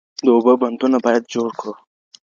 د اوبو بندونه باید جوړ کړو.